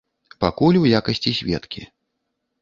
Пакуль у якасці сведкі.